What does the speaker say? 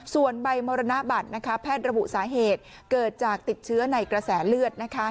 ส่วนใบมรณบัตรนะคะแพทย์ระบุสาเหตุเกิดจากติดเชื้อในกระแสเลือดนะคะ